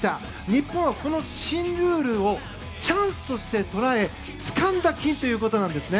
日本はこの新ルールをチャンスとして捉えつかんだ金ということなんですね。